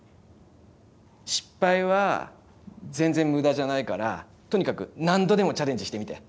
失敗は全然無駄じゃないからとにかく何度でもチャレンジしてみて。